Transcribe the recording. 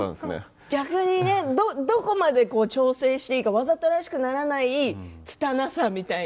逆にどこまで調整していいかわざとらしくならないつたなさみたいな。